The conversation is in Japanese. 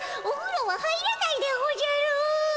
おふろは入らないでおじゃる。